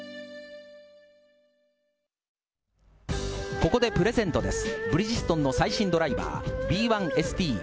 ここでプレゼントです。